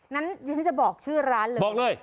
นั่นฉันจะบอกชื่อร้านหน่อย